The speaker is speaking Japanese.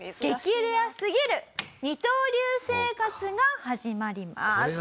レアすぎる二刀流生活が始まります。